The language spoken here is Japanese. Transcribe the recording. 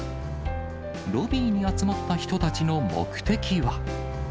ロビーに集まった人たちの目的は。